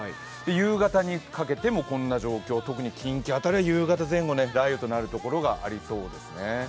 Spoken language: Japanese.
夕方にかけてもこんな状況、特に近畿辺りは夕方前後に雷雨となるところがありそうです。